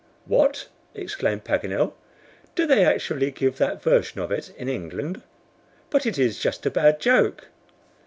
"What!" exclaimed Paganel. "Do they actually give that version of it in England? But it is just a bad joke."